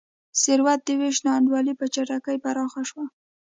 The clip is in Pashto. ثروت د وېش نا انډولي په چټکۍ پراخه شوه.